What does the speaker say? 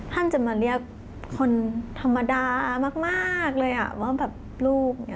ท่านจะมาเรียกคนธรรมดามากเลยว่าแบบลูก